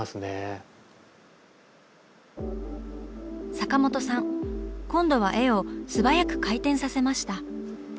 坂本さん今度は絵を素早く回転させました。